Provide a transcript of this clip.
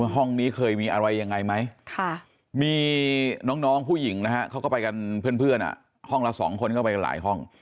ห้องนี้เคยมีอะไรยังไงไหมมีน้องผู้หญิงนะฮะเขาก็ไปกันเพื่อนห้องละ๒คนก็ไปกันหลายห้อง